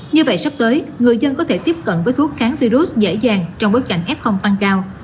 như vậy sắp tới người dân có thể tiếp cận với thuốc kháng virus dễ dàng trong bối cảnh f tăng cao